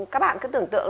các bạn cứ tưởng tượng